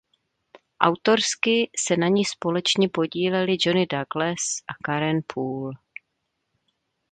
Autorsky se na ni společně podíleli Johnny Douglas a Karen Poole.